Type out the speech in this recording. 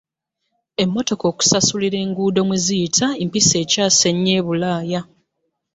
Emmotoka okusasulira enguudo mwe ziyita mpisa ekyase nnyo e Bulaaya.